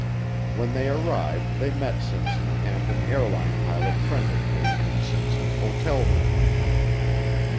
When they arrived they met Simpson and an airline pilot friend of his in Simpson's hotel room.